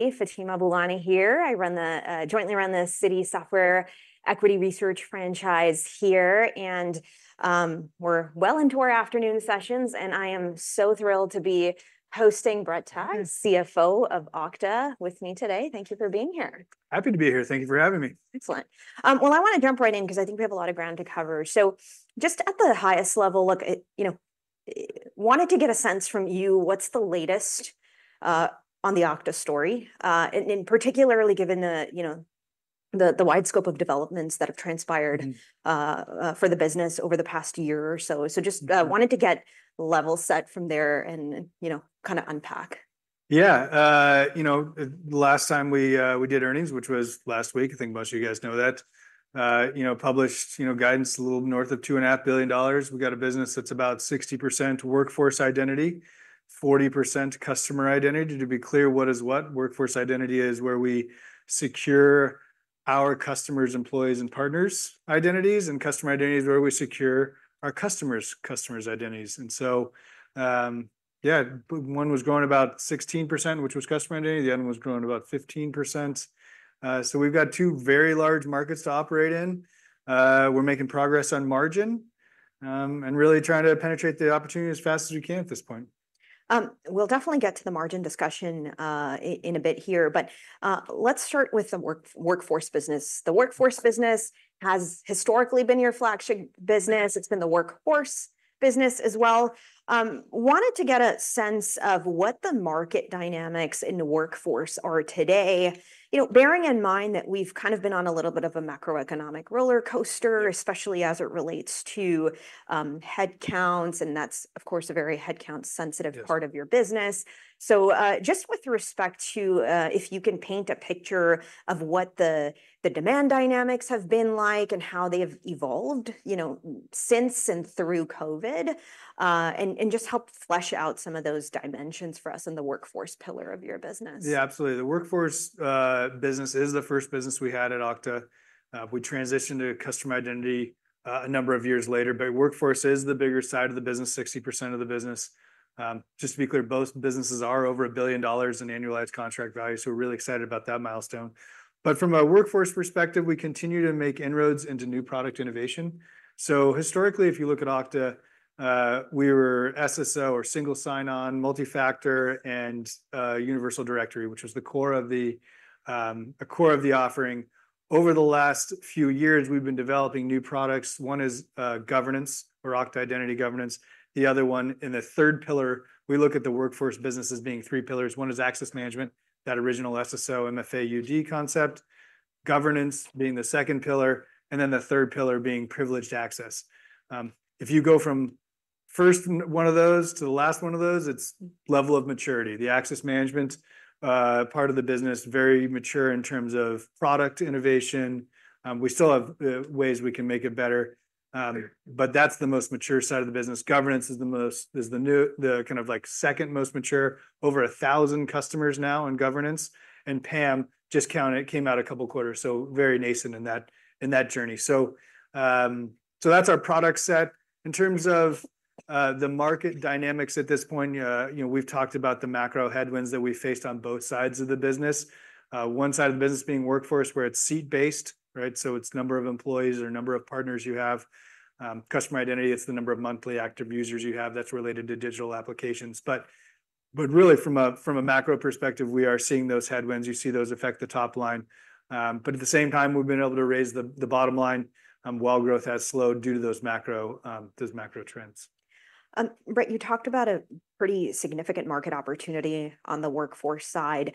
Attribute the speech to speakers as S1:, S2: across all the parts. S1: Fatima Boolani here. I jointly run the Citi software equity research franchise here, and we're well into our afternoon sessions, and I am so thrilled to be hosting Brett Tighe, CFO of Okta, with me today. Thank you for being here.
S2: Happy to be here. Thank you for having me.
S1: Excellent. Well, I wanna jump right in 'cause I think we have a lot of ground to cover. So just at the highest level, look, you know, wanted to get a sense from you what's the latest on the Okta story. And particularly given the, you know, the wide scope of developments that have transpired-
S2: Mm...
S1: for the business over the past year or so.
S2: Mm.
S1: So just wanted to get level set from there and, you know, kinda unpack.
S2: Yeah, you know, the last time we did earnings, which was last week, I think most of you guys know that, you know, published, you know, guidance, a little north of $2.5 billion. We've got a business that's about 60% workforce identity, 40% customer identity. To be clear, what is what? Workforce identity is where we secure our customers', employees', and partners' identities, and customer identity is where we secure our customers' customers' identities. And so, yeah, one was growing about 16%, which was customer identity, the other one was growing about 15%. So we've got two very large markets to operate in. We're making progress on margin, and really trying to penetrate the opportunity as fast as we can at this point.
S1: We'll definitely get to the margin discussion in a bit here, but let's start with the workforce business. The workforce business has historically been your flagship business. It's been the workhorse business as well. Wanted to get a sense of what the market dynamics in the workforce are today. You know, bearing in mind that we've kind of been on a little bit of a macroeconomic rollercoaster-
S2: Mm...
S1: especially as it relates to headcounts, and that's, of course, a very headcount-sensitive-
S2: Yes...
S1: part of your business. So, just with respect to, if you can paint a picture of what the demand dynamics have been like and how they have evolved, you know, since and through Covid, and just help flesh out some of those dimensions for us in the workforce pillar of your business.
S2: Yeah, absolutely. The workforce business is the first business we had at Okta. We transitioned to customer identity a number of years later, but workforce is the bigger side of the business, 60% of the business. Just to be clear, both businesses are over $1 billion in annualized contract value, so we're really excited about that milestone. But from a workforce perspective, we continue to make inroads into new product innovation. So historically, if you look at Okta, we were SSO, or single sign-on, multi-factor, and universal directory, which was the core of the core of the offering. Over the last few years, we've been developing new products. One is governance or Okta Identity Governance. The other one, in the third pillar. We look at the workforce business as being three pillars. One is access management, that original SSO, MFA, UD concept, governance being the second pillar, and then the third pillar being privileged access. If you go from first one of those to the last one of those, it's level of maturity. The access management part of the business, very mature in terms of product innovation. We still have ways we can make it better, but that's the most mature side of the business. Governance is the new, kind of like, second-most mature. Over a thousand customers now in governance, and PAM just launched, it came out a couple of quarters, so very nascent in that journey, so that's our product set. In terms of the market dynamics at this point, you know, we've talked about the macro headwinds that we faced on both sides of the business. One side of the business being workforce, where it's seat-based, right? So it's number of employees or number of partners you have. Customer identity, it's the number of monthly active users you have that's related to digital applications. But really from a macro perspective, we are seeing those headwinds. You see those affect the top line. But at the same time, we've been able to raise the bottom line while growth has slowed due to those macro trends.
S1: Brett, you talked about a pretty significant market opportunity on the workforce side.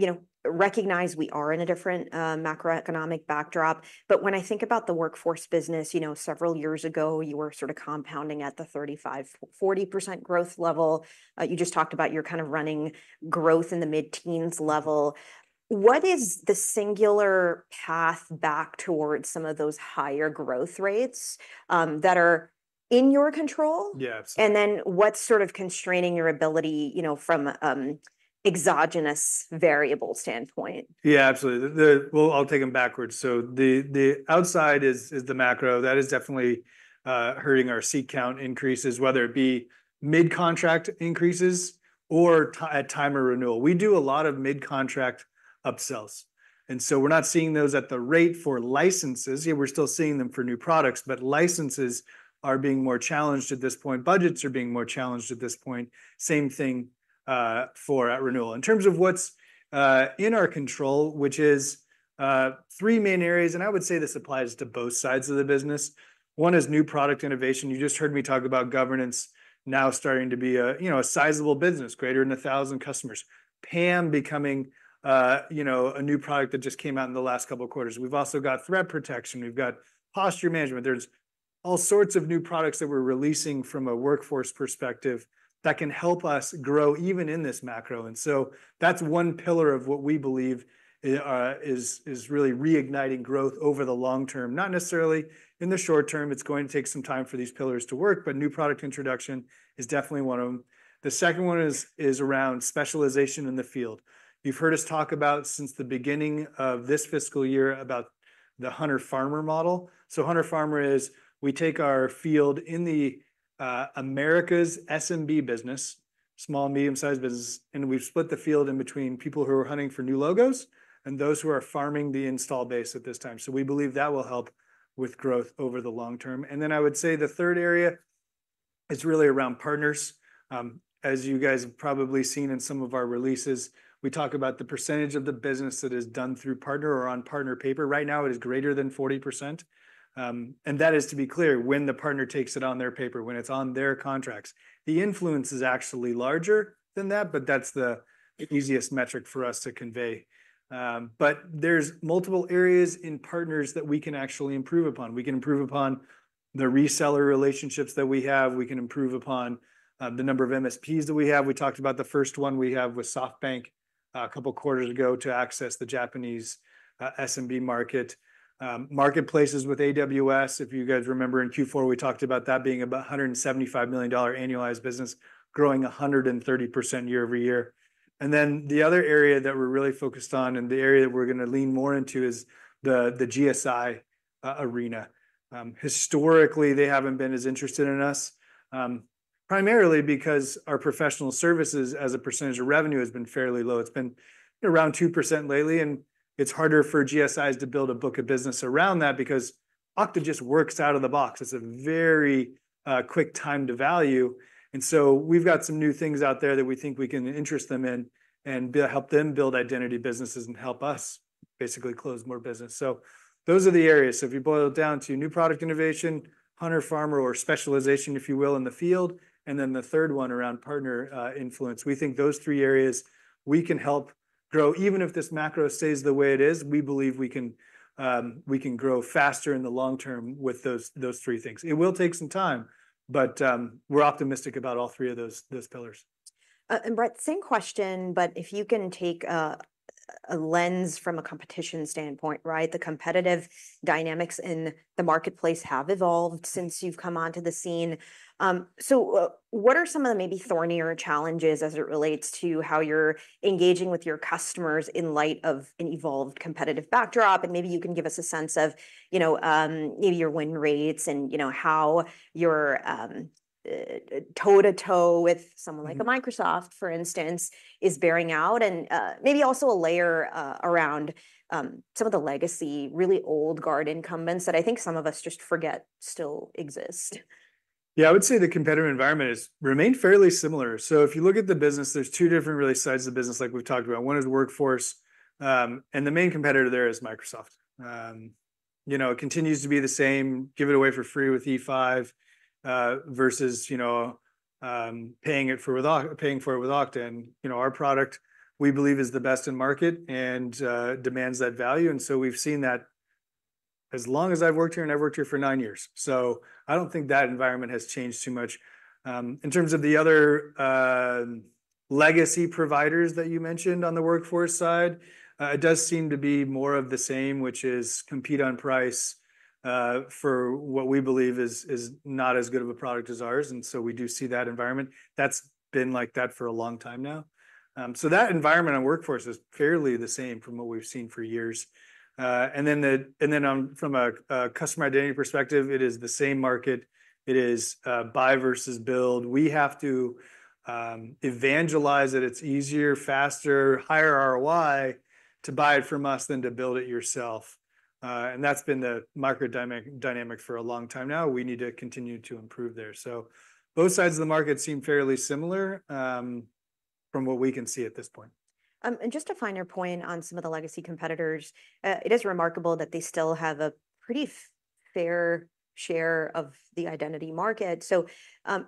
S1: You know, recognize we are in a different macroeconomic backdrop, but when I think about the workforce business, you know, several years ago, you were sort of compounding at the 35%-40% growth level. You just talked about you're kind of running growth in the mid-teens level. What is the singular path back towards some of those higher growth rates, that are in your control?
S2: Yeah, absolutely.
S1: And then, what's sort of constraining your ability, you know, from, exogenous variable standpoint?
S2: Yeah, absolutely. Well, I'll take 'em backwards. So the outside is the macro. That is definitely hurting our seat count increases, whether it be mid-contract increases or at time of renewal. We do a lot of mid-contract upsells, and so we're not seeing those at the rate for licenses. Yeah, we're still seeing them for new products, but licenses are being more challenged at this point. Budgets are being more challenged at this point. Same thing for at renewal. In terms of what's in our control, which is three main areas, and I would say this applies to both sides of the business. One is new product innovation. You just heard me talk about governance now starting to be a, you know, a sizeable business, greater than 1,000 customers. PAM becoming, you know, a new product that just came out in the last couple of quarters. We've also got threat protection. We've got posture management. There's all sorts of new products that we're releasing from a workforce perspective that can help us grow even in this macro, and so that's one pillar of what we believe is really reigniting growth over the long term. Not necessarily in the short term, it's going to take some time for these pillars to work, but new product introduction is definitely one of them. The second one is around specialization in the field. You've heard us talk about, since the beginning of this fiscal year, about the hunter-farmer model. So hunter-farmer is, we take our field in the-... America's SMB business, small and medium-sized businesses, and we've split the field in between people who are hunting for new logos and those who are farming the install base at this time. So we believe that will help with growth over the long term. And then I would say the third area is really around partners. As you guys have probably seen in some of our releases, we talk about the percentage of the business that is done through partner or on partner paper. Right now, it is greater than 40%, and that is to be clear, when the partner takes it on their paper, when it's on their contracts. The influence is actually larger than that, but that's the easiest metric for us to convey. But there's multiple areas in partners that we can actually improve upon. We can improve upon the reseller relationships that we have. We can improve upon the number of MSPs that we have. We talked about the first one we have with SoftBank, a couple of quarters ago to access the Japanese SMB market. Marketplaces with AWS, if you guys remember in Q4, we talked about that being about $175 million annualized business, growing 130% year over year. And then the other area that we're really focused on, and the area that we're gonna lean more into is the GSI arena. Historically, they haven't been as interested in us, primarily because our professional services as a percentage of revenue has been fairly low. It's been around 2% lately, and it's harder for GSIs to build a book of business around that because Okta just works out of the box. It's a very quick time to value, and so we've got some new things out there that we think we can interest them in and build, help them build identity businesses and help us basically close more business. So those are the areas. So if you boil it down to new product innovation, hunter, farmer, or specialization, if you will, in the field, and then the third one around partner influence, we think those three areas we can help grow. Even if this macro stays the way it is, we believe we can grow faster in the long term with those three things. It will take some time, but we're optimistic about all three of those pillars.
S1: And Brett, same question, but if you can take a lens from a competition standpoint, right? The competitive dynamics in the marketplace have evolved since you've come onto the scene. So what are some of the maybe thornier challenges as it relates to how you're engaging with your customers in light of an evolved competitive backdrop? And maybe you can give us a sense of, you know, maybe your win rates and, you know, how your toe-to-toe with someone-
S2: Mm-hmm...
S1: like a Microsoft, for instance, is bearing out, and maybe also a layer around some of the legacy, really old guard incumbents that I think some of us just forget still exist.
S2: Yeah, I would say the competitive environment has remained fairly similar. So if you look at the business, there's two different really sides of the business, like we've talked about. One is workforce, and the main competitor there is Microsoft. You know, it continues to be the same, give it away for free with E5, versus, you know, paying for it with Okta. And, you know, our product, we believe, is the best in market and demands that value, and so we've seen that as long as I've worked here, and I've worked here for nine years, so I don't think that environment has changed too much. In terms of the other legacy providers that you mentioned on the workforce side, it does seem to be more of the same, which is compete on price for what we believe is not as good of a product as ours, and so we do see that environment. That's been like that for a long time now, so that environment on workforce is fairly the same from what we've seen for years, and then from a customer identity perspective, it is the same market. It is buy versus build. We have to evangelize that it's easier, faster, higher ROI to buy it from us than to build it yourself, and that's been the market dynamic for a long time now. We need to continue to improve there. So both sides of the market seem fairly similar, from what we can see at this point.
S1: And just to find your point on some of the legacy competitors, it is remarkable that they still have a pretty fair share of the identity market. So,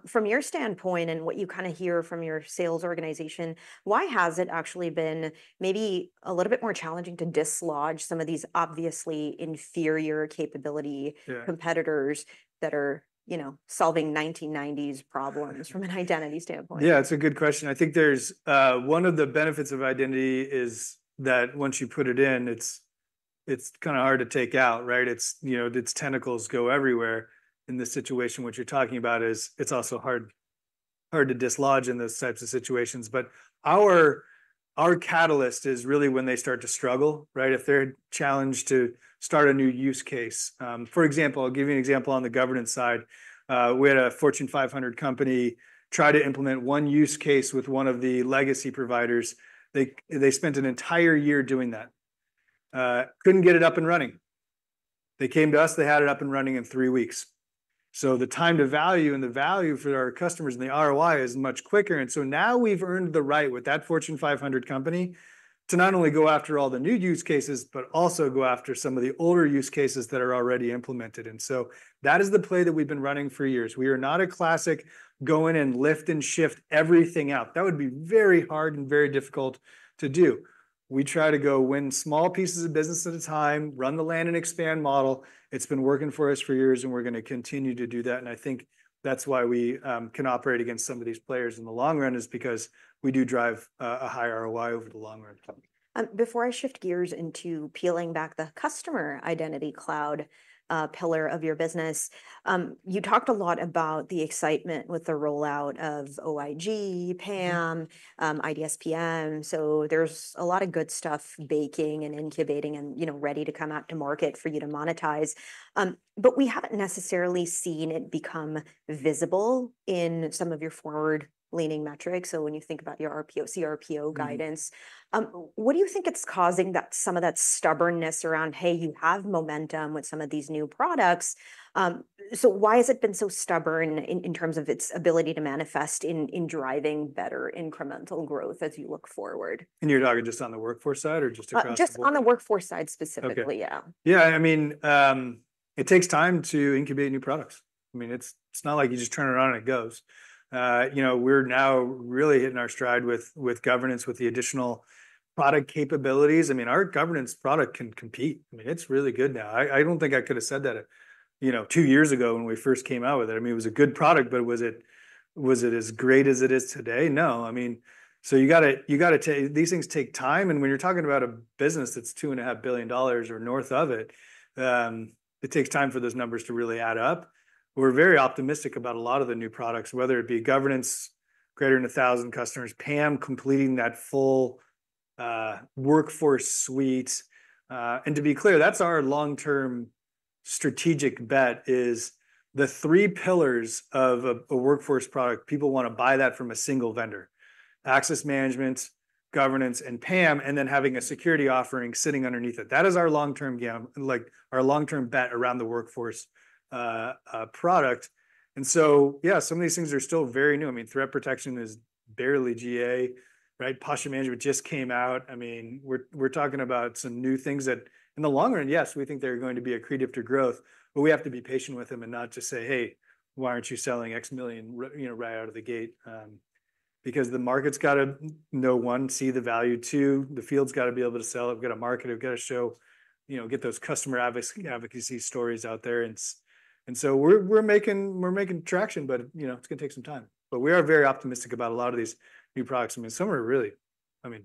S1: from your standpoint and what you kinda hear from your sales organization, why has it actually been maybe a little bit more challenging to dislodge some of these obviously inferior capabilities-
S2: Yeah...
S1: competitors that are, you know, solving 1990s problems from an identity standpoint?
S2: Yeah, it's a good question. I think there's one of the benefits of identity is that once you put it in, it's kinda hard to take out, right? It's, you know, its tentacles go everywhere. In this situation, what you're talking about is it's also hard to dislodge in those types of situations. But our catalyst is really when they start to struggle, right? If they're challenged to start a new use case. For example, I'll give you an example on the governance side. We had a Fortune 500 company try to implement one use case with one of the legacy providers. They spent an entire year doing that, couldn't get it up and running. They came to us, they had it up and running in three weeks. So the time to value and the value for our customers and the ROI is much quicker, and so now we've earned the right with that Fortune 500 company to not only go after all the new use cases, but also go after some of the older use cases that are already implemented, and so that is the play that we've been running for years. We are not a classic go in and lift and shift everything out. That would be very hard and very difficult to do. We try to go win small pieces of business at a time, run the land and expand model. It's been working for us for years, and we're gonna continue to do that, and I think that's why we can operate against some of these players in the long run, is because we do drive a higher ROI over the long run....
S1: Before I shift gears into peeling back the Customer Identity Cloud pillar of your business, you talked a lot about the excitement with the rollout of OIG, PAM, IDSPM. So there's a lot of good stuff baking and incubating and, you know, ready to come out to market for you to monetize. But we haven't necessarily seen it become visible in some of your forward-leaning metrics. When you think about your RPO, CRPO guidance-
S2: Mm-hmm....
S1: what do you think it's causing that some of that stubbornness around, hey, you have momentum with some of these new products? So why has it been so stubborn in terms of its ability to manifest in driving better incremental growth as you look forward?
S2: You're talking just on the workforce side or just across the board?
S1: Just on the workforce side specifically.
S2: Okay.
S1: Yeah.
S2: Yeah, I mean, it takes time to incubate new products. I mean, it's not like you just turn it on and it goes. You know, we're now really hitting our stride with governance, with the additional product capabilities. I mean, our governance product can compete. I mean, it's really good now. I don't think I could have said that, you know, two years ago when we first came out with it. I mean, it was a good product, but was it as great as it is today? No. I mean... So you gotta take. These things take time, and when you're talking about a business that's $2.5 billion or north of it, it takes time for those numbers to really add up. We're very optimistic about a lot of the new products, whether it be governance, greater than 1,000 customers, PAM completing that full, workforce suite. And to be clear, that's our long-term strategic bet is the three pillars of a, a workforce product. People wanna buy that from a single vendor: access management, governance, and PAM, and then having a security offering sitting underneath it. That is our long-term gam- like, our long-term bet around the workforce, product. And so, yeah, some of these things are still very new. I mean, threat protection is barely GA, right? Posture management just came out. I mean, we're talking about some new things that in the long run, yes, we think they're going to be accretive to growth, but we have to be patient with them and not just say, "Hey, why aren't you selling X million right out of the gate?" Because the market's got to, number one, see the value, two, the field's got to be able to sell it. We've got to market it, we've got to show, you know, get those customer advocacy stories out there. And so we're making traction, but, you know, it's gonna take some time. But we are very optimistic about a lot of these new products. I mean, some are really, I mean,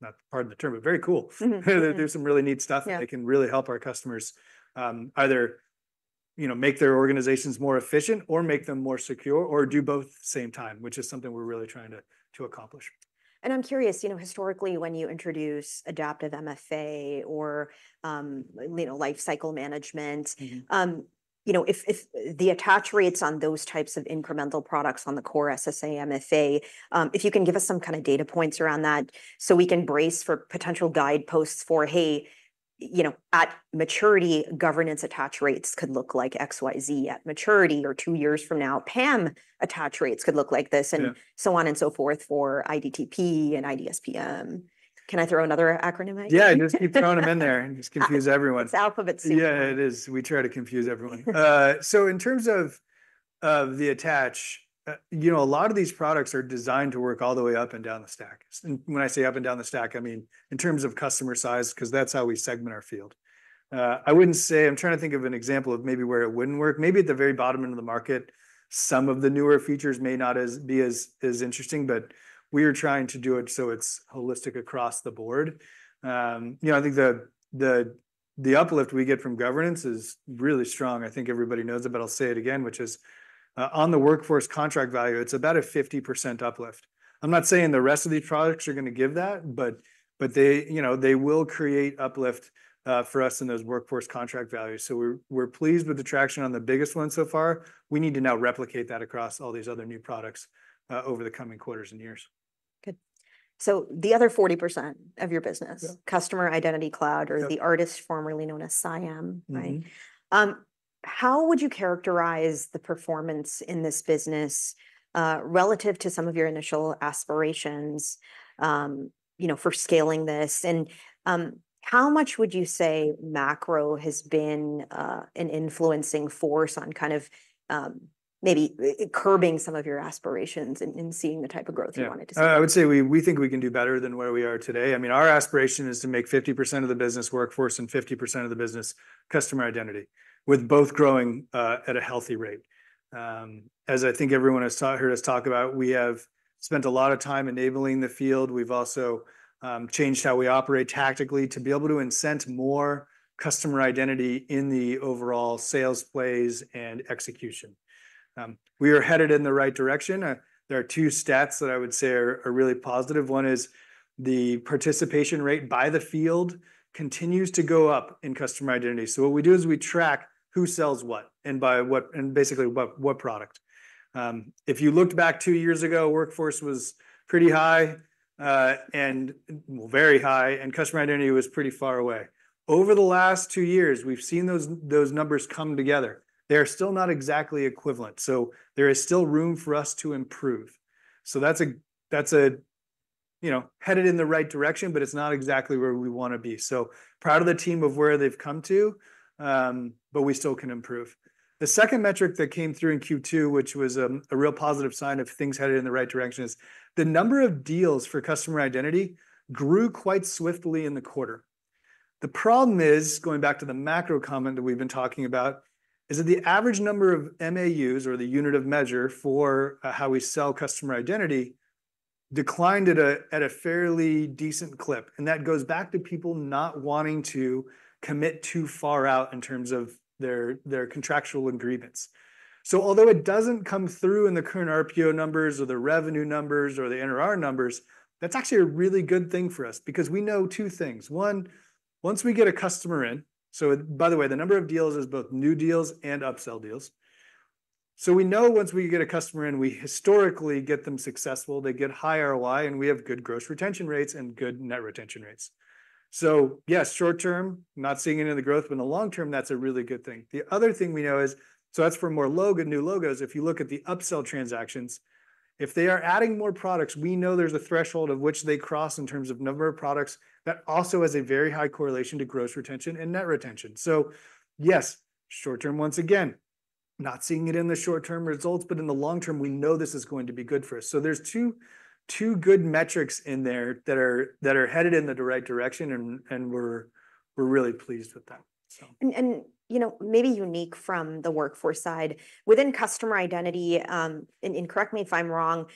S2: not pardon the term, but very cool.
S1: Mm-hmm. Mm-hmm.
S2: There's some really neat stuff-
S1: Yeah...
S2: that can really help our customers, either, you know, make their organizations more efficient or make them more secure, or do both at the same time, which is something we're really trying to accomplish.
S1: And I'm curious, you know, historically, when you introduce Adaptive MFA or, you know, life cycle management-
S2: Mm-hmm...
S1: you know, if the attach rates on those types of incremental products on the core SSO, MFA, if you can give us some kind of data points around that so we can brace for potential guideposts for, hey, you know, at maturity, governance attach rates could look like XYZ. At maturity or two years from now, PAM attach rates could look like this-
S2: Yeah...
S1: and so on and so forth for IDTP and IDSPM. Can I throw another acronym at you?
S2: Yeah, just keep throwing them in there and just confuse everyone.
S1: It's Alphabet soup.
S2: Yeah, it is. We try to confuse everyone. So in terms of the attach, you know, a lot of these products are designed to work all the way up and down the stack. And when I say up and down the stack, I mean in terms of customer size, 'cause that's how we segment our field. I wouldn't say... I'm trying to think of an example of maybe where it wouldn't work. Maybe at the very bottom end of the market, some of the newer features may not be as interesting, but we are trying to do it so it's holistic across the board. You know, I think the uplift we get from governance is really strong. I think everybody knows it, but I'll say it again, which is, on the workforce contract value, it's about a 50% uplift. I'm not saying the rest of these products are gonna give that, but they, you know, they will create uplift for us in those workforce contract values. So we're pleased with the traction on the biggest one so far. We need to now replicate that across all these other new products over the coming quarters and years.
S1: Good. So the other 40% of your business-
S2: Yeah...
S1: Customer Identity Cloud-
S2: Yeah...
S1: or the artist formerly known as Ciam, right?
S2: Mm-hmm.
S1: How would you characterize the performance in this business relative to some of your initial aspirations, you know, for scaling this? How much would you say macro has been an influencing force on kind of maybe curbing some of your aspirations in seeing the type of growth you wanted to see?
S2: Yeah. I would say we think we can do better than where we are today. I mean, our aspiration is to make 50% of the business workforce and 50% of the business customer identity, with both growing at a healthy rate. As I think everyone has heard us talk about, we have spent a lot of time enabling the field. We've also changed how we operate tactically to be able to incent more customer identity in the overall sales plays and execution. We are headed in the right direction. There are two stats that I would say are really positive. One is the participation rate by the field continues to go up in customer identity. So what we do is we track who sells what and by what, and basically, what product. If you looked back two years ago, Workforce was pretty high, and well, very high, and Customer Identity was pretty far away. Over the last two years, we've seen those numbers come together. They are still not exactly equivalent, so there is still room for us to improve. So that's, you know, headed in the right direction, but it's not exactly where we wanna be. So proud of the team of where they've come to, but we still can improve. The second metric that came through in Q2, which was a real positive sign of things headed in the right direction, is the number of deals for Customer Identity grew quite swiftly in the quarter. The problem is, going back to the macro comment that we've been talking about, is that the average number of MAUs or the unit of measure for how we sell customer identity declined at a fairly decent clip. And that goes back to people not wanting to commit too far out in terms of their contractual agreements. So although it doesn't come through in the current RPO numbers or the revenue numbers or the NRR numbers, that's actually a really good thing for us because we know two things: one, once we get a customer in, so by the way, the number of deals is both new deals and upsell deals. So we know once we get a customer in, we historically get them successful, they get high ROI, and we have good gross retention rates and good net retention rates. So yes, short term, not seeing any of the growth, but in the long term, that's a really good thing. The other thing we know is, so that's for new logo, new logos. If you look at the upsell transactions, if they are adding more products, we know there's a threshold of which they cross in terms of number of products. That also has a very high correlation to gross retention and net retention. So yes, short term, once again, not seeing it in the short-term results, but in the long term, we know this is going to be good for us. So there's two good metrics in there that are headed in the right direction and we're really pleased with that, so.
S1: And you know, maybe unique from the workforce side, within customer identity, and correct me if I'm wrong,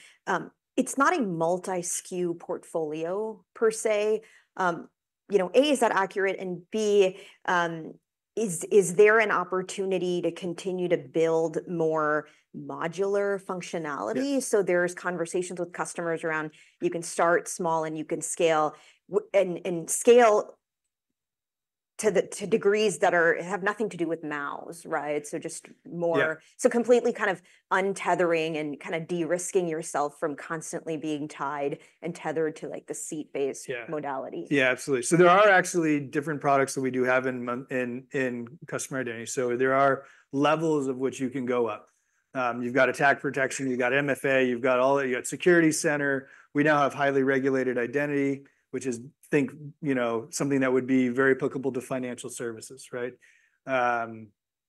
S1: it's not a multi-SKU portfolio, per se. You know, A, is that accurate? And B, is there an opportunity to continue to build more modular functionality-
S2: Yeah...
S1: so there's conversations with customers around, you can start small, and you can scale to degrees that have nothing to do with MAUs, right? So just more-
S2: Yeah.
S1: So completely kind of untethering and kinda de-risking yourself from constantly being tied and tethered to, like, the seat-based-
S2: Yeah...
S1: modality.
S2: Yeah, absolutely. So there are actually different products that we do have in customer identity. So there are levels of which you can go up. You've got attack protection, you've got MFA, you've got all that, you've got security center. We now have highly regulated identity, which is, think, you know, something that would be very applicable to financial services, right?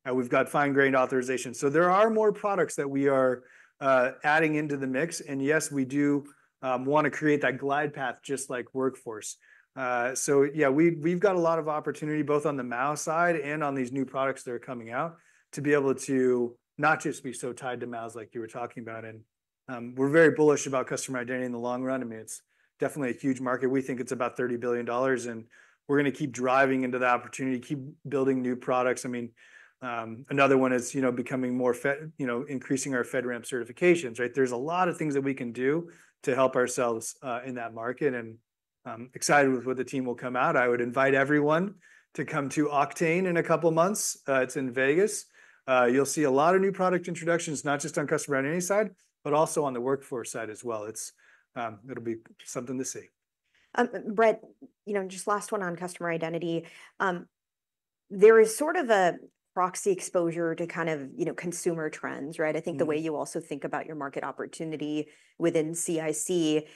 S2: And we've got fine-grained authorization. So there are more products that we are adding into the mix. And yes, we do wanna create that glide path, just like Workforce. So yeah, we, we've got a lot of opportunity, both on the MAU side and on these new products that are coming out, to be able to not just be so tied to MAUs, like you were talking about. And, we're very bullish about customer identity in the long run. I mean, it's definitely a huge market. We think it's about $30 billion, and we're gonna keep driving into that opportunity, keep building new products. I mean, another one is, you know, becoming more, you know, increasing our FedRAMP certifications, right? There's a lot of things that we can do to help ourselves in that market, and I'm excited with what the team will come out. I would invite everyone to come to Oktane in a couple of months. It's in Vegas. You'll see a lot of new product introductions, not just on customer identity side, but also on the workforce side as well. It's, it'll be something to see.
S1: Brett, you know, just last one on customer identity. There is sort of a proxy exposure to kind of, you know, consumer trends, right?
S2: Mm-hmm.
S1: I think the way you also think about your market opportunity within CIC,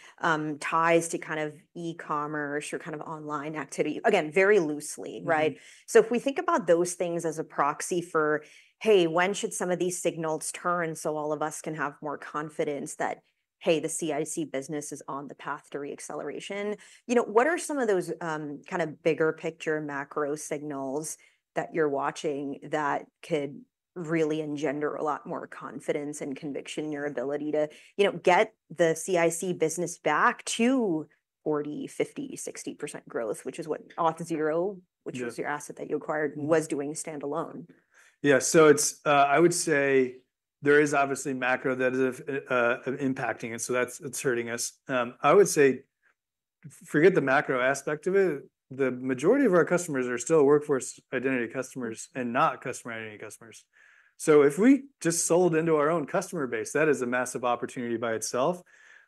S1: ties to kind of e-commerce or kind of online activity. Again, very loosely-
S2: Mm-hmm...
S1: right? So if we think about those things as a proxy for, Hey, when should some of these signals turn so all of us can have more confidence that, hey, the CIC business is on the path to re-acceleration? You know, what are some of those, kind of bigger picture, macro signals that you're watching that could really engender a lot more confidence and conviction in your ability to, you know, get the CIC business back to 40%, 50%, 60% growth, which is what Auth0-
S2: Yeah...
S1: which was your asset that you acquired, was doing standalone.
S2: Yeah. So it's, I would say there is obviously macro that is impacting, and so that's. It's hurting us. I would say, forget the macro aspect of it. The majority of our customers are still workforce identity customers and not customer identity customers. So if we just sold into our own customer base, that is a massive opportunity by itself.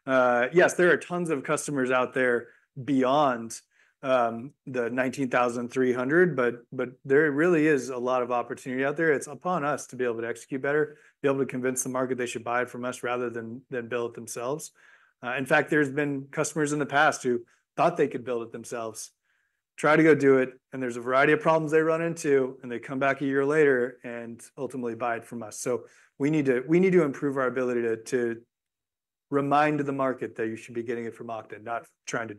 S2: Yes, there are tons of customers out there beyond the nineteen thousand three hundred, but there really is a lot of opportunity out there. It's upon us to be able to execute better, be able to convince the market they should buy it from us rather than build it themselves. In fact, there's been customers in the past who thought they could build it themselves, try to go do it, and there's a variety of problems they run into, and they come back a year later and ultimately buy it from us. So we need to improve our ability to remind the market that you should be getting it from Okta, not trying to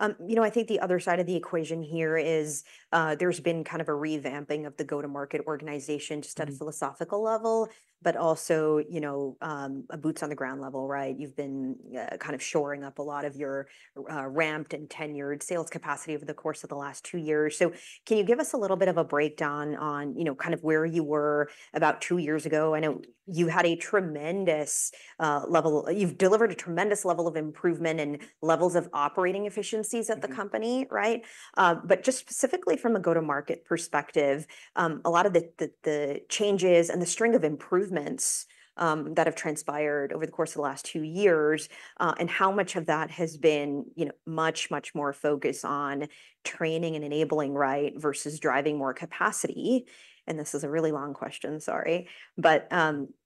S2: do it yourself.
S1: You know, I think the other side of the equation here is, there's been kind of a revamping of the go-to-market organization-
S2: Mm-hmm...
S1: just at a philosophical level, but also, you know, a boots-on-the-ground level, right? You've been kind of shoring up a lot of your ramped and tenured sales capacity over the course of the last two years. So can you give us a little bit of a breakdown on, you know, kind of where you were about two years ago? I know you've delivered a tremendous level of improvement and levels of operating efficiencies-
S2: Mm-hmm...
S1: at the company, right? But just specifically from a go-to-market perspective, a lot of the changes and the string of improvements that have transpired over the course of the last two years, and how much of that has been, you know, much more focused on training and enabling, right? Versus driving more capacity. And this is a really long question, sorry. But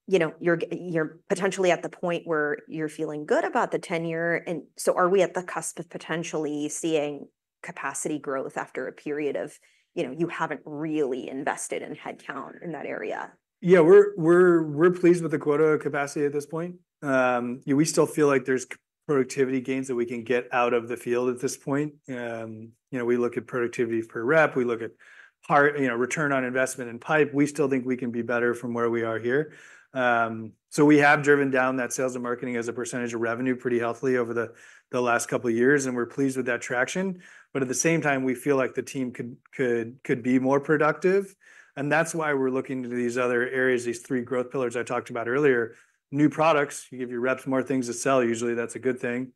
S1: you know, you're potentially at the point where you're feeling good about the tenure, and so are we at the cusp of potentially seeing capacity growth after a period of, you know, you haven't really invested in headcount in that area?
S2: Yeah, we're pleased with the quota capacity at this point. Yeah, we still feel like there's productivity gains that we can get out of the field at this point. You know, we look at productivity per rep, we look at return on investment in pipe. We still think we can be better from where we are here. So we have driven down that sales and marketing as a percentage of revenue pretty healthily over the last couple of years, and we're pleased with that traction. But at the same time, we feel like the team could be more productive, and that's why we're looking into these other areas, these three growth pillars I talked about earlier. New products, you give your reps more things to sell, usually that's a good thing.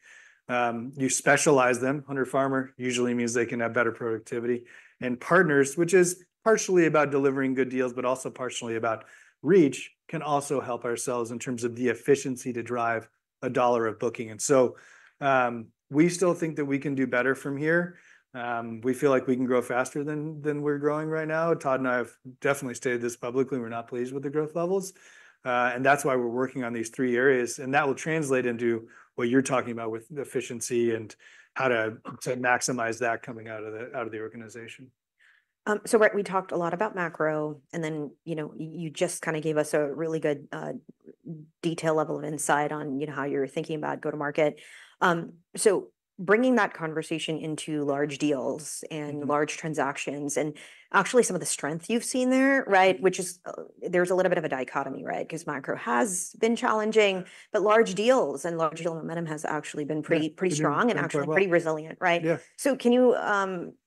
S2: You specialize them. Hunter-Farmer usually means they can have better productivity, and partners, which is partially about delivering good deals, but also partially about reach, can also help ourselves in terms of the efficiency to drive a dollar of booking. And so, we still think that we can do better from here. We feel like we can grow faster than we're growing right now. Todd and I have definitely stated this publicly, we're not pleased with the growth levels. And that's why we're working on these three areas, and that will translate into what you're talking about with the efficiency and how to maximize that coming out of the organization.
S1: So right, we talked a lot about macro, and then, you know, you just kinda gave us a really good detail level of insight on, you know, how you're thinking about go-to-market. So bringing that conversation into large deals-
S2: Mm-hmm...
S1: and large transactions, and actually some of the strength you've seen there, right? Which is, there's a little bit of a dichotomy, right? 'Cause macro has been challenging, but large deals and large deal momentum has actually been pretty-
S2: Yeah...
S1: pretty strong and actually pretty resilient, right?
S2: Yeah.
S1: So can you,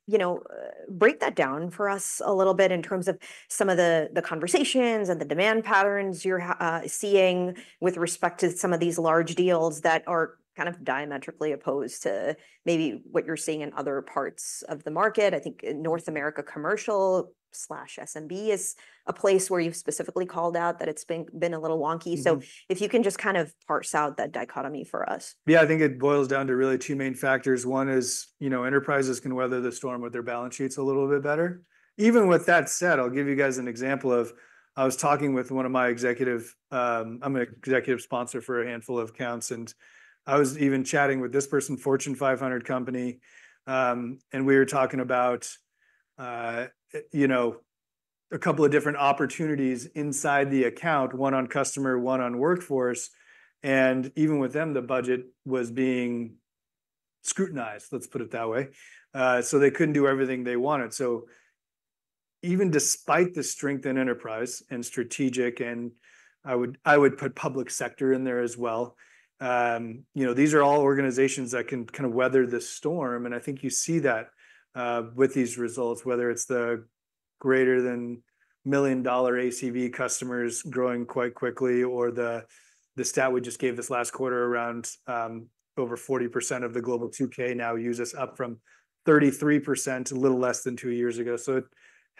S1: you know, break that down for us a little bit in terms of some of the conversations and the demand patterns you're seeing, with respect to some of these large deals that are kind of diametrically opposed to maybe what you're seeing in other parts of the market? I think North America Commercial/SMB is a place where you've specifically called out that it's been a little wonky.
S2: Mm-hmm.
S1: So if you can just kind of parse out that dichotomy for us.
S2: Yeah, I think it boils down to really two main factors. One is, you know, enterprises can weather the storm with their balance sheets a little bit better. Even with that said, I'll give you guys an example of... I was talking with one of my executive, I'm an executive sponsor for a handful of accounts, and I was even chatting with this person, Fortune 500 company, and we were talking about, you know, a couple of different opportunities inside the account, one on customer, one on workforce, and even with them, the budget was being scrutinized, let's put it that way. So they couldn't do everything they wanted. So even despite the strength in enterprise and strategic, and I would put public sector in there as well, you know, these are all organizations that can kind of weather the storm, and I think you see that with these results, whether it's the greater than $1 million ACV customers growing quite quickly, or the stat we just gave this last quarter, around over 40% of the Global 2K now use us, up from 33% a little less than two years ago.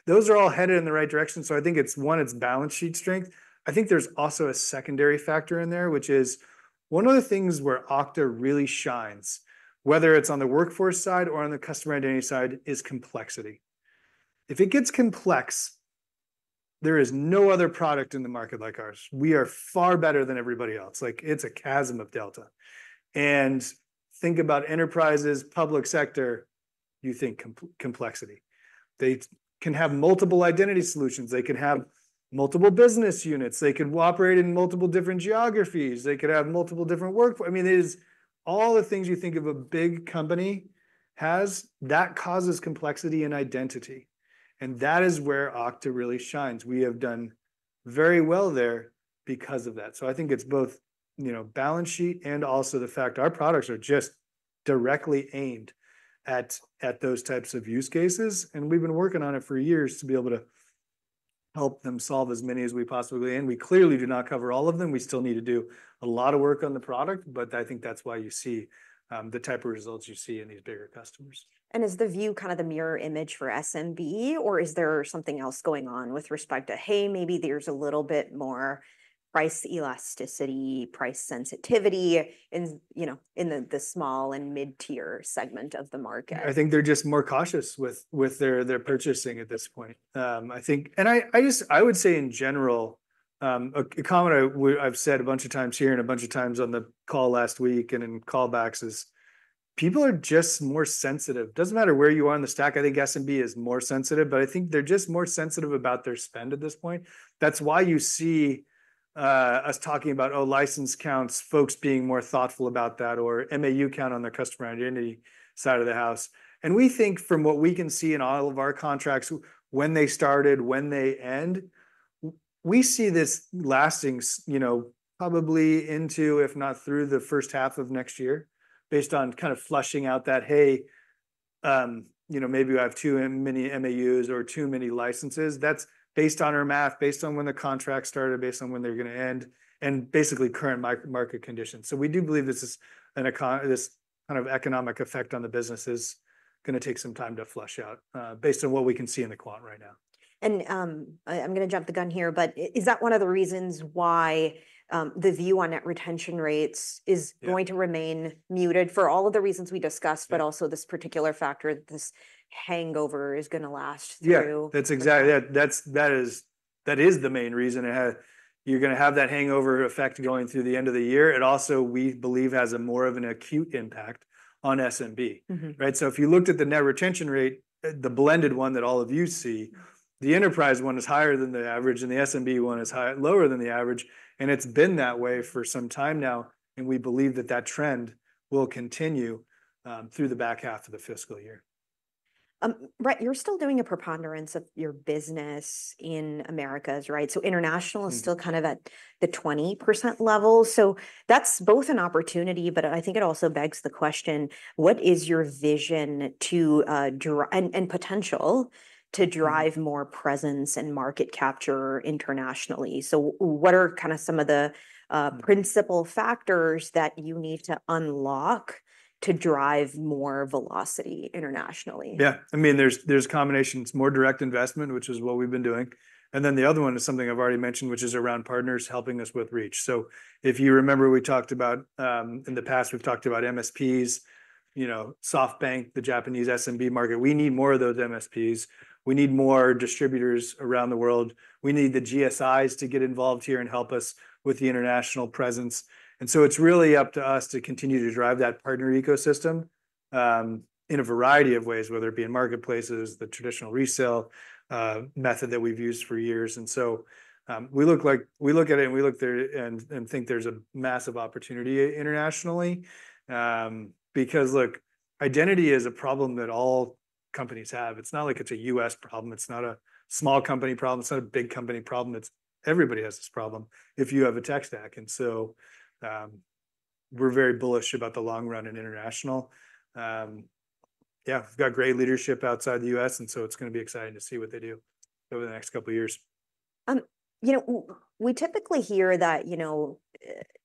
S2: Those are all headed in the right direction, so I think it's one, it's balance sheet strength. I think there's also a secondary factor in there, which is one of the things where Okta really shines, whether it's on the workforce side or on the customer identity side, is complexity. If it gets complex, there is no other product in the market like ours. We are far better than everybody else, like it's a chasm of delta. And think about enterprises, public sector, you think complexity. They can have multiple identity solutions. They can have multiple business units. They can operate in multiple different geographies. They could have multiple different workforce... I mean, it is all the things you think of a big company has, that causes complexity and identity, and that is where Okta really shines. We have done very well there because of that. So I think it's both, you know, balance sheet and also the fact our products are just directly aimed at, at those types of use cases, and we've been working on it for years to be able to help them solve as many as we possibly can. We clearly do not cover all of them. We still need to do a lot of work on the product, but I think that's why you see, the type of results you see in these bigger customers.
S1: Is the view kind of the mirror image for SMB, or is there something else going on with respect to, hey, maybe there's a little bit more price elasticity, price sensitivity in, you know, in the small and mid-tier segment of the market?
S2: I think they're just more cautious with their purchasing at this point. I think... And I just, I would say in general, a comment I've said a bunch of times here and a bunch of times on the call last week and in call backs is, people are just more sensitive. Doesn't matter where you are in the stack. I think SMB is more sensitive, but I think they're just more sensitive about their spend at this point. That's why you see us talking about, oh, license counts, folks being more thoughtful about that, or MAU count on their customer identity side of the house. And we think from what we can see in all of our contracts, when they started, when they end, we see this lasting you know, probably into, if not through the first half of next year, based on kind of flushing out that, hey, you know, maybe I have too many MAUs or too many licenses. That's based on our math, based on when the contract started, based on when they're gonna end, and basically current market conditions. So we do believe this kind of economic effect on the business is gonna take some time to flush out, based on what we can see in the quant right now.
S1: I'm gonna jump the gun here, but is that one of the reasons why the view on net retention rates is-
S2: Yeah...
S1: going to remain muted for all of the reasons we discussed-
S2: Yeah...
S1: but also this particular factor, this hangover is gonna last through?
S2: Yeah, that's exactly it. That is the main reason you're gonna have that hangover effect going through the end of the year. It also, we believe, has more of an acute impact on SMB.
S1: Mm-hmm.
S2: Right? So if you looked at the net retention rate, the blended one that all of you see-
S1: Mm.
S2: The enterprise one is higher than the average, and the SMB one is lower than the average, and it's been that way for some time now, and we believe that that trend will continue through the back half of the fiscal year.
S1: Right, you're still doing a preponderance of your business in Americas, right? So international-
S2: Mm...
S1: is still kind of at the 20% level. So that's both an opportunity, but I think it also begs the question: What is your vision to drive and potential to drive-
S2: Mm...
S1: more presence and market capture internationally? So what are kinda some of the
S2: Mm...
S1: principal factors that you need to unlock to drive more velocity internationally?
S2: Yeah, I mean, there's combinations. More direct investment, which is what we've been doing, and then the other one is something I've already mentioned, which is around partners helping us with reach. So if you remember, we talked about in the past, we've talked about MSPs, you know, SoftBank, the Japanese SMB market. We need more of those MSPs. We need more distributors around the world. We need the GSIs to get involved here and help us with the international presence. And so it's really up to us to continue to drive that partner ecosystem in a variety of ways, whether it be in marketplaces, the traditional resale method that we've used for years. And so we look at it, and we look there and think there's a massive opportunity internationally. Because, look, identity is a problem that all companies have. It's not like it's a U.S. problem. It's not a small company problem. It's not a big company problem. It's everybody has this problem if you have a tech stack, and so, we're very bullish about the long run in international. Yeah, we've got great leadership outside the U.S., and so it's gonna be exciting to see what they do over the next couple years.
S1: You know, we typically hear that, you know,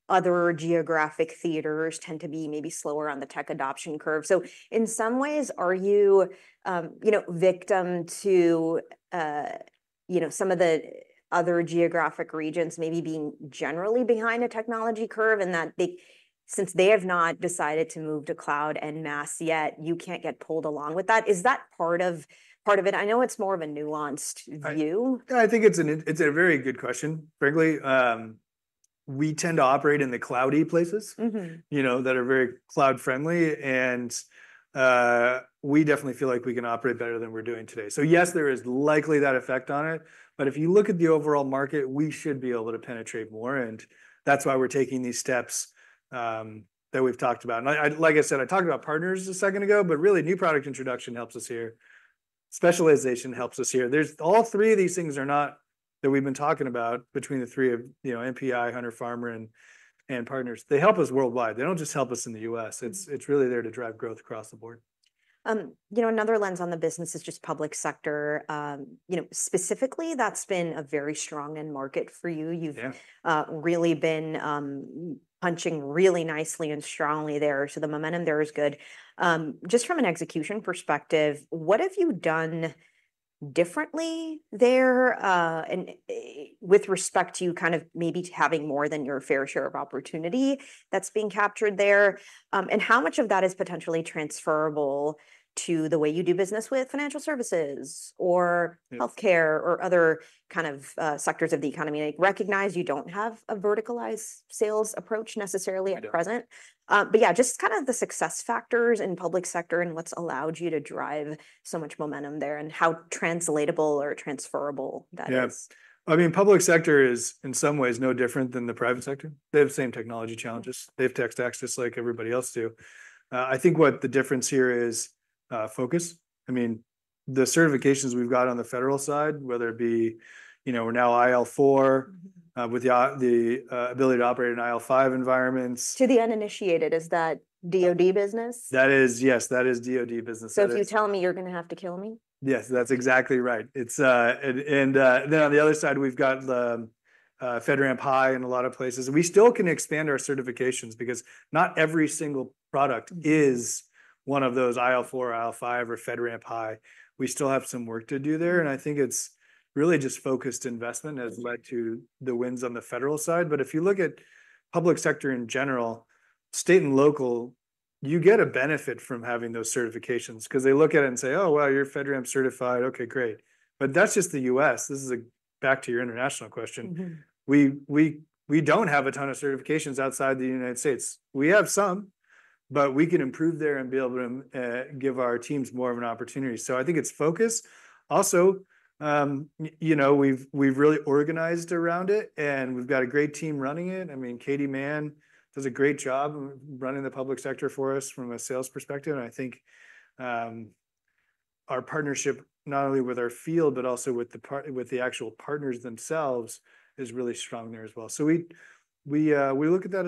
S1: other geographic theaters tend to be maybe slower on the tech adoption curve. So in some ways, are you, you know, victim to, you know, some of the other geographic regions maybe being generally behind the technology curve, and that since they have not decided to move to cloud en masse yet, you can't get pulled along with that? Is that part of it? I know it's more of a nuanced view.
S2: I, yeah, I think it's a very good question. Frankly, we tend to operate in the cloudy places-
S1: Mm-hmm...
S2: you know, that are very cloud-friendly, and we definitely feel like we can operate better than we're doing today. So, yes, there is likely that effect on it, but if you look at the overall market, we should be able to penetrate more, and that's why we're taking these steps that we've talked about. And, like I said, I talked about partners a second ago, but really, new product introduction helps us here. Specialization helps us here. There's all three of these things that we've been talking about, between the three of, you know, NPI, hunter-farmer, and partners, they help us worldwide. They don't just help us in the U.S.
S1: Mm.
S2: It's really there to drive growth across the board.
S1: You know, another lens on the business is just public sector. You know, specifically, that's been a very strong end market for you.
S2: Yeah.
S1: You've really been punching really nicely and strongly there, so the momentum there is good. Just from an execution perspective, what have you done differently there, and with respect to kind of maybe having more than your fair share of opportunity that's being captured there, and how much of that is potentially transferable to the way you do business with financial services or-
S2: Yes...
S1: healthcare or other kind of, sectors of the economy? I recognize you don't have a verticalized sales approach necessarily at present.
S2: Yeah.
S1: But yeah, just kind of the success factors in public sector and what's allowed you to drive so much momentum there, and how translatable or transferable that is?
S2: Yeah. I mean, public sector is, in some ways, no different than the private sector. They have the same technology challenges. They have tech stacks just like everybody else do. I think what the difference here is, focus. I mean, the certifications we've got on the federal side, whether it be, you know, we're now IL4-
S1: Mm-hmm...
S2: with the ability to operate in IL5 environments.
S1: To the uninitiated, is that DoD business?
S2: Yes, that is DoD business.
S1: So if you tell me, you're gonna have to kill me?
S2: Yes, that's exactly right. It's. And then on the other side, we've got the FedRAMP High in a lot of places. And we still can expand our certifications because not every single product is one of those IL4, IL5, or FedRAMP High. We still have some work to do there, and I think it's really just focused investment has led to the wins on the federal side. But if you look at public sector in general, state and local, you get a benefit from having those certifications. 'Cause they look at it and say, "Oh, wow, you're FedRAMP certified. Okay, great." But that's just the U.S. This is back to your international question.
S1: Mm-hmm.
S2: We don't have a ton of certifications outside the United States. We have some, but we can improve there and be able to give our teams more of an opportunity, so I think it's focus. Also, you know, we've really organized around it, and we've got a great team running it. I mean, Katy Mann does a great job running the public sector for us from a sales perspective, and I think our partnership, not only with our field, but also with the actual partners themselves, is really strong there as well. So we look at that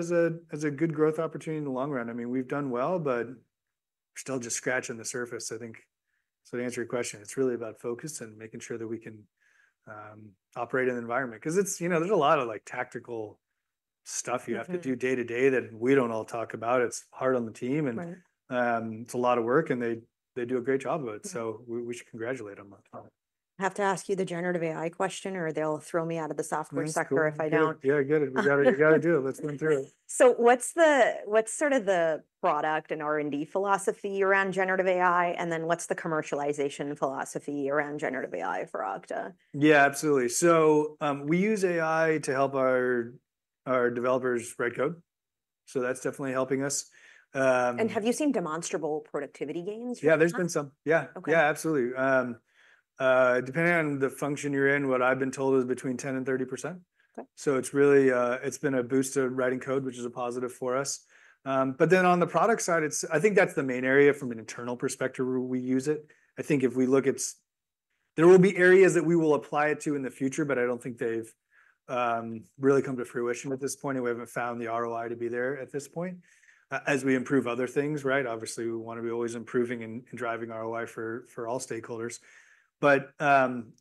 S2: as a good growth opportunity in the long run. I mean, we've done well, but we're still just scratching the surface, I think. So to answer your question, it's really about focus and making sure that we can operate in the environment. 'Cause it's... You know, there's a lot of, like, tactical stuff-
S1: Mm-hmm...
S2: you have to do day to day that we don't all talk about. It's hard on the team, and-
S1: Right...
S2: it's a lot of work, and they do a great job of it.
S1: Yeah.
S2: So we should congratulate them on it.
S1: I have to ask you the generative AI question, or they'll throw me out of the software sector.
S2: Yeah, it's cool....
S1: if I don't.
S2: Yeah, get it. You gotta, you gotta do it. Let's run through it.
S1: What's sort of the product and R&D philosophy around generative AI, and then what's the commercialization philosophy around generative AI for Okta?
S2: Yeah, absolutely. So, we use AI to help our developers write code... so that's definitely helping us.
S1: Have you seen demonstrable productivity gains from that?
S2: Yeah, there's been some. Yeah.
S1: Okay.
S2: Yeah, absolutely. Depending on the function you're in, what I've been told is between 10% and 30%.
S1: Okay.
S2: So it's really, it's been a boost to writing code, which is a positive for us. But then on the product side, it's. I think that's the main area from an internal perspective where we use it. I think if we look at. There will be areas that we will apply it to in the future, but I don't think they've really come to fruition at this point, and we haven't found the ROI to be there at this point. As we improve other things, right? Obviously, we wanna be always improving and driving ROI for all stakeholders. But,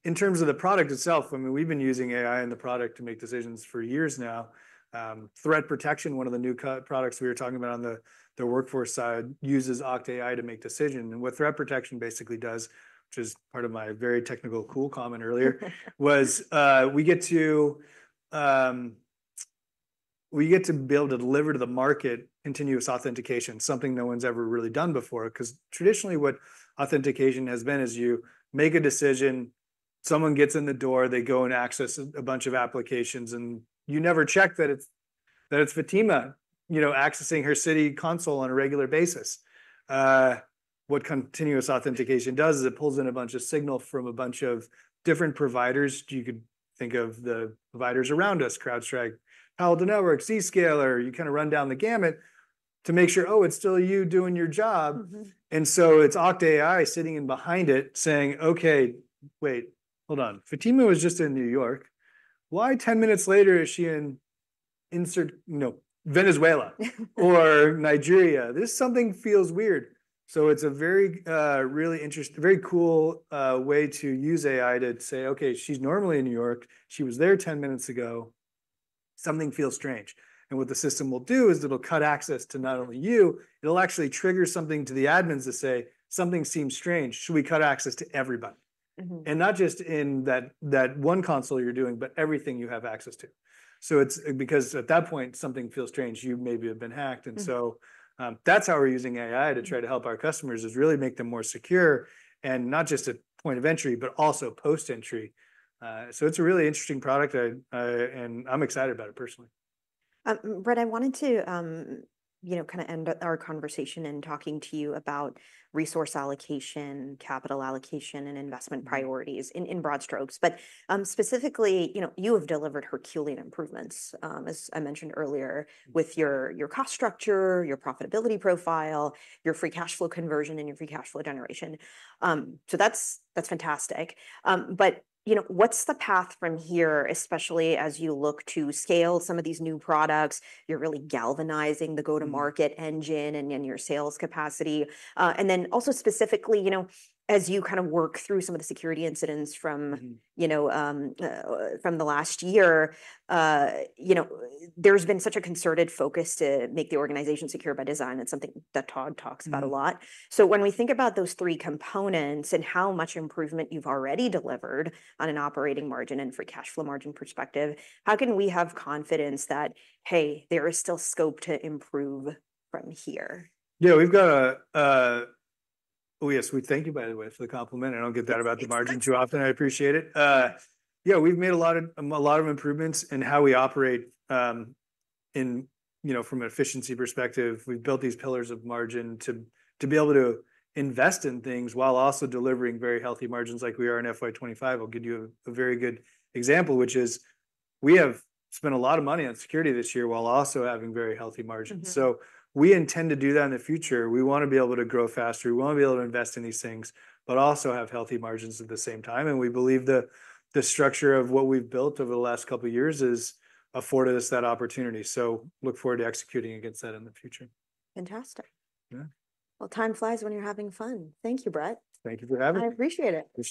S2: in terms of the product itself, I mean, we've been using AI in the product to make decisions for years now. Threat protection, one of the new core products we were talking about on the workforce side, uses Okta AI to make decision. And what threat protection basically does, which is part of my very technical cool comment earlier was, we get to be able to deliver to the market continuous authentication, something no one's ever really done before. 'Cause traditionally, what authentication has been is you make a decision, someone gets in the door, they go and access a bunch of applications, and you never check that it's Fatima, you know, accessing her Citi console on a regular basis. What continuous authentication does is it pulls in a bunch of signal from a bunch of different providers. You could think of the providers around us, CrowdStrike, Palo Alto Networks, Zscaler. You kind of run down the gamut to make sure, oh, it's still you doing your job.
S1: Mm-hmm.
S2: It's Okta AI sitting in behind it, saying, "Okay, wait. Hold on. Fatima was just in New York. Why 10 minutes later is she in... you know, Venezuela or Nigeria? There's something feels weird." It's a very, really very cool way to use AI to say, "Okay, she's normally in New York. She was there 10 minutes ago. Something feels strange." And what the system will do is it'll cut access to not only you, it'll actually trigger something to the admins to say, "Something seems strange. Should we cut access to everybody?
S1: Mm-hmm.
S2: And not just in that one console you're doing, but everything you have access to. So it's because at that point, something feels strange. You maybe have been hacked.
S1: Mm-hmm.
S2: That's how we're using AI to try to help our customers is really make them more secure, and not just at point of entry, but also post-entry. It's a really interesting product, and I'm excited about it, personally.
S1: Brett, I wanted to, you know, kind of end our conversation in talking to you about resource allocation, capital allocation, and investment priorities in broad strokes. But, specifically, you know, you have delivered herculean improvements, as I mentioned earlier-
S2: Mm...
S1: with your cost structure, your profitability profile, your free cash flow conversion, and your free cash flow generation. So that's fantastic. But, you know, what's the path from here, especially as you look to scale some of these new products? You're really galvanizing the go-to-market engine-
S2: Mm...
S1: and your sales capacity. And then also specifically, you know, as you kind of work through some of the security incidents from-
S2: Mm...
S1: you know, from the last year, you know, there's been such a concerted focus to make the organization secure by design. That's something that Todd talks about a lot.
S2: Mm.
S1: So when we think about those three components and how much improvement you've already delivered on an operating margin and free cash flow margin perspective, how can we have confidence that, hey, there is still scope to improve from here?
S2: Yeah, we've got a... Oh, yes. We thank you, by the way, for the compliment. I don't get that about the margin too often.
S1: Thanks.
S2: I appreciate it. Yeah, we've made a lot of improvements in how we operate, you know, from an efficiency perspective. We've built these pillars of margin to be able to invest in things while also delivering very healthy margins like we are in FY 2025. I'll give you a very good example, which is we have spent a lot of money on security this year while also having very healthy margins.
S1: Mm-hmm.
S2: So we intend to do that in the future. We wanna be able to grow faster. We wanna be able to invest in these things, but also have healthy margins at the same time, and we believe the structure of what we've built over the last couple years has afforded us that opportunity. So look forward to executing against that in the future.
S1: Fantastic.
S2: Yeah.
S1: Well, time flies when you're having fun. Thank you, Brett.
S2: Thank you for having me.
S1: I appreciate it.
S2: Appreciate it.